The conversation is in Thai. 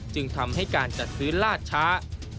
จึงทำให้การจัดซื้อลาดช้า